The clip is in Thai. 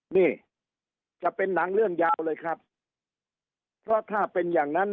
นี่จะเป็นหนังเรื่องยาวเลยครับเพราะถ้าเป็นอย่างนั้น